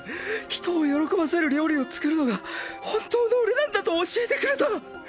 人を喜ばせる料理を作るのが本当の俺なんだと教えてくれた！！